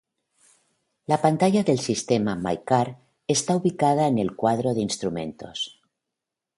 La pantalla del sistema My car está ubicada en el cuadro de instrumentos.